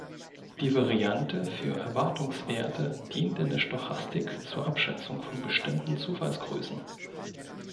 Die Variante für Erwartungswerte dient in der Stochastik zur Abschätzung von bestimmten Zufallsgrößen.